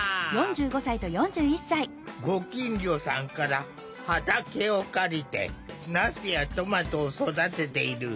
ご近所さんから畑を借りてナスやトマトを育てている。